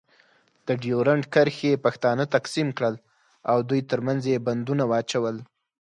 د ډیورنډ کرښې پښتانه تقسیم کړل. او دوی ترمنځ یې بندونه واچول.